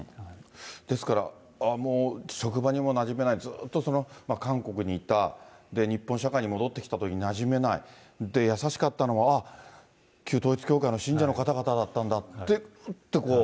ですから職場にもなじめない、ずっと韓国にいた、日本社会に戻ってきたとき、なじめない、で、優しかったのは、ああ、旧統一教会の信者の方々だったんだって、うってこう。